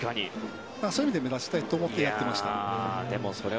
そういう意味で目立ちたいと思ってやっていました。